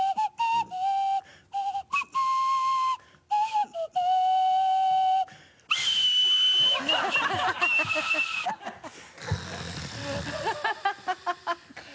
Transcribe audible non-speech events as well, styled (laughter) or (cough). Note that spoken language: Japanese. ハハハ (laughs)